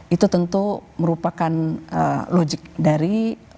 itu tentu merupakan logik dari